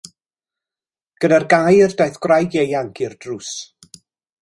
Gyda'r gair daeth gwraig ieuanc i'r drws.